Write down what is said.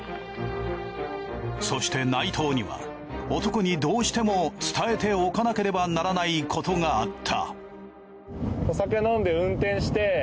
そして内藤には男にどうしても伝えておかなければならないことがあった。